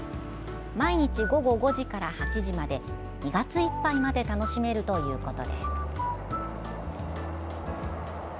毎日、午後５時から８時まで２月いっぱいまで楽しめるということです。